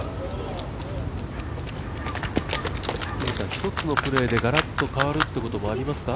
一つのプレ−でガラッと変わるということもありますか？